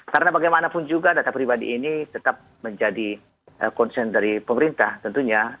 karena bagaimanapun juga data pribadi ini tetap menjadi konsen dari pemerintah tentunya